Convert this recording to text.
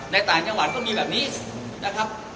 ต่างจังหวัดก็มีแบบนี้นะครับ